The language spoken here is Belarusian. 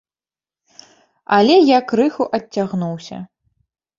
Але я крыху адцягнуўся.